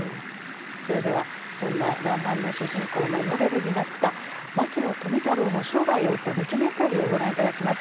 それではそんな「らんまん」の主人公のモデルになった牧野富太郎の生涯を追ったドキュメンタリーをご覧いただきます。